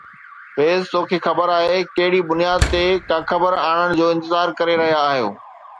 فيض، توکي خبر آهي، ڪهڙي بنياد تي ڪا خبر آڻڻ جو انتظار ڪري رهيا آهيو؟